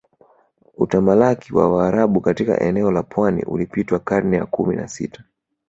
Utamalaki wa Waarabu katika eneo la pwani ulipitwa karne ya kumi na sita